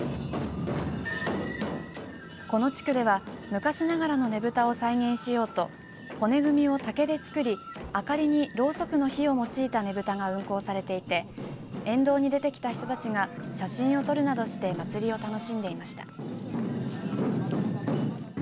この地区では昔ながらのねぶたを再現しようと骨組みを竹で作り明かりにろうそくの火を用いたねぶたが運行されていて沿道に出てきた人たちが写真を撮るなどして祭りを楽しんでいました。